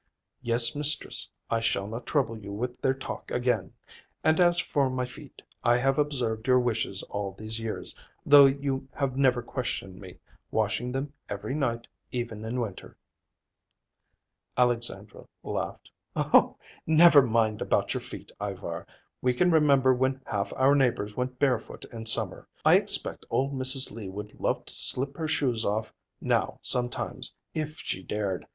"Yes, mistress, I shall not trouble you with their talk again. And as for my feet, I have observed your wishes all these years, though you have never questioned me; washing them every night, even in winter." Alexandra laughed. "Oh, never mind about your feet, Ivar. We can remember when half our neighbors went barefoot in summer. I expect old Mrs. Lee would love to slip her shoes off now sometimes, if she dared.